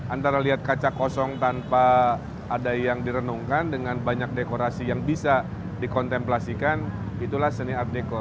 antara lihat kaca kosong tanpa ada yang direnungkan dengan banyak dekorasi yang bisa dikontemplasikan itulah seni art deko